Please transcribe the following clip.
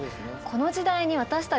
この時代に私たち